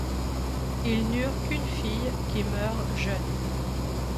Ils n'eurent qu'une fille qui meurt jeune.